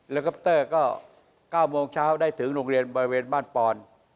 คอปเตอร์ก็๙โมงเช้าได้ถึงโรงเรียนบริเวณบ้านปอน